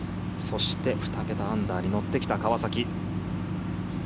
そして２桁アンダーに乗ってきた川崎。